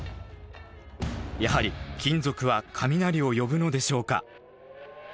やはり金属は雷を呼ぶのでしょうか。